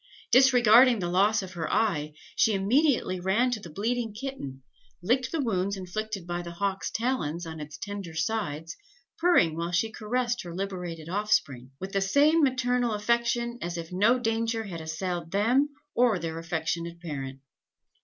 Disregarding the loss of her eye, she immediately ran to the bleeding kitten, licked the wounds inflicted by the hawk's talons on its tender sides, purring while she caressed her liberated offspring, with the same maternal affection as if no danger had assailed them or their affectionate parent."